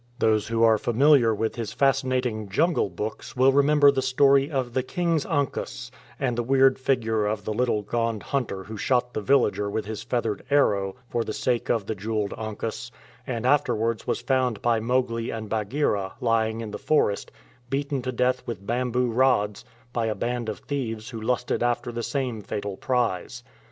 Those who are familiar with his fascinating Jungle Books will remember the story of "The King's Ankus," and the weird figure of the little Gond hunter who shot the villager with his feathered arrow for the sake of the jewelled ankus, and afterwards was found by Mowgli and 32 THE DR A VIDIANS Bagheera lying in the forest beaten to death with bamboo rods by a band of thieves who lusted after the same fatal prize.